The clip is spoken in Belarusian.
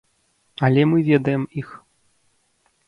Але мы ведаем іх.